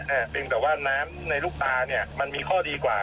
เพียงแต่ว่าน้ำในลูกตาเนี่ยมันมีข้อดีกว่า